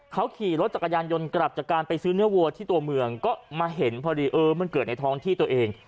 เขาขี่รถจักรยานยนต์กลับจากการไปซื้อเนื้อวัวที่ตัวเมืองก็มาเห็นพอดีเออมันเกิดในท้องที่ตัวเอง